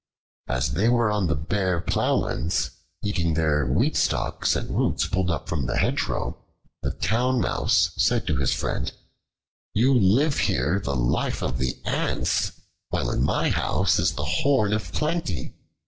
As they were on the bare plowlands, eating there wheat stocks and roots pulled up from the hedgerow, the Town Mouse said to his friend, "You live here the life of the ants, while in my house is the horn of plenty.